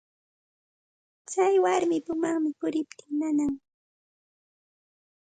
Tsay warmapa umanmi puriptin nanan.